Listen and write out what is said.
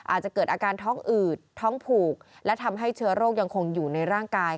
อาจจะเกิดอาการท้องอืดท้องผูกและทำให้เชื้อโรคยังคงอยู่ในร่างกาย